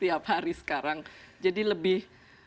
tiap hari sekarang jadi lebih